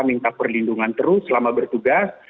minta perlindungan terus selama bertugas